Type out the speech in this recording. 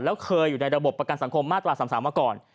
แล้วเคยอยู่ในระบบประกันสังคมมาตรา๓๓มาก่อน